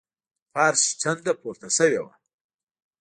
د فرش څنډه پورته شوې وه.